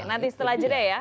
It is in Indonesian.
nanti setelah jadinya ya